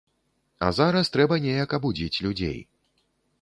А зараз трэба неяк абудзіць людзей.